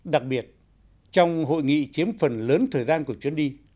đặc biệt trong hội nghị chiếm phần lớn thời gian của chuyến đi